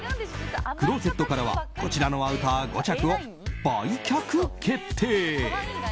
クローゼットからはこちらのアウター５着を売却決定。